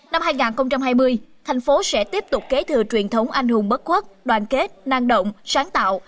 năm hai nghìn hai mươi thành phố sẽ tiếp tục kế thừa truyền thống anh hùng bất quốc đoàn kết năng động sáng tạo